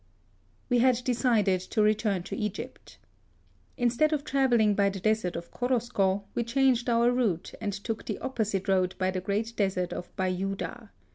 We had decided to return to Egypt. In stead of travelling by the desert of Korosko, we changed our route, and took the opposite road by the great desert of Bayouda.